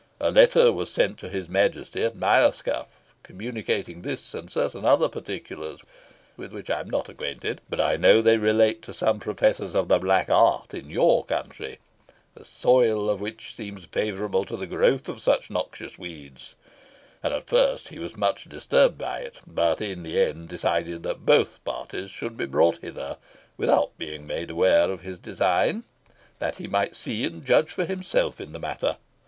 A letter was sent to his Majesty at Myerscough, communicating this and certain other particulars with which I am not acquainted; but I know they relate to some professors of the black art in your country, the soil of which seems favourable to the growth of such noxious weeds, and at first he was much disturbed by it, but in the end decided that both parties should be brought hither without being made aware of his design, that he might see and judge for himself in the matter.